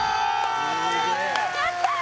やったあ！